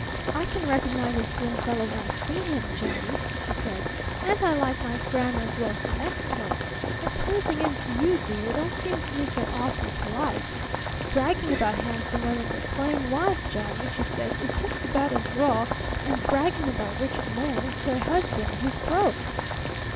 I can recognize a slim fellow when I see him, Johnny,' she says, 'and I like nice grammar as well as the next one, but praising 'em to you, dear, don't seem to me so awfully polite. Bragging about handsome women to a plain wife, Johnny,' she says, 'is just about as raw as bragging about rich men to a husband who's broke.'